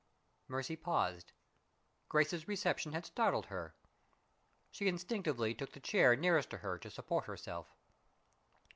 Mercy paused. Grace's reception had startled her. She instinctively took the chair nearest to her to support herself.